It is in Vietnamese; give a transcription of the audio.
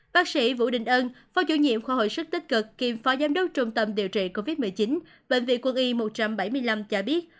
bác sĩ vũ đình ơn phó chủ nhiệm khoa hội sức tích cực kiêm phó giám đốc trung tâm điều trị covid một mươi chín bệnh viện quân y một trăm bảy mươi năm cho biết